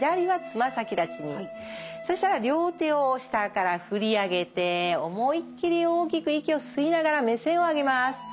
そしたら両手を下から振り上げて思いっきり大きく息を吸いながら目線を上げます。